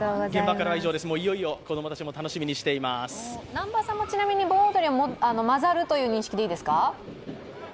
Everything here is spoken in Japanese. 南波さんもちなみに盆踊はまざるという認識でいいですか？